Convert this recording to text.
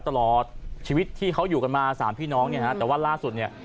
ตลอดชีวิตที่เขาอยู่กันมาสามพี่น้องเนี่ยฮะแต่ว่าล่าสุดเนี่ย